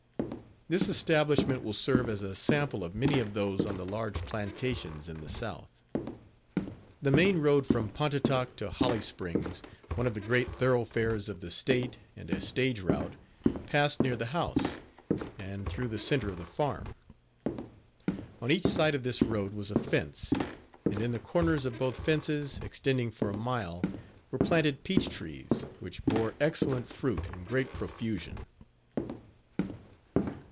This establishment will serve as a sample of many of those on the large plantations in the south. The main road from Pontotoc to Holly Springs, one of the great thoroughfares of the state and a stage route, passed near the house, and through the center of the farm. On each side of this road was a fence, and in the corners of both fences, extending for a mile, were planted peach trees, which bore excellent fruit in great profusion.